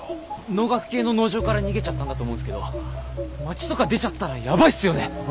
農学系の農場から逃げちゃったんだと思うんすけど街とか出ちゃったらやばいっすよね。